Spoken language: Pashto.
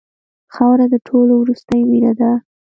خاوره د ټولو وروستۍ مینه ده.